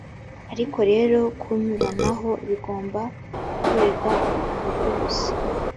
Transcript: ariko rero kunyuranaho bigomba gukorerwa iburyo gusa.